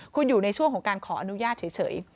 คุณอยู่ในช่วงของการขออนุญาตเฉย